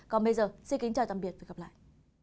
còn bây giờ xin kính chào tạm biệt và hẹn gặp lại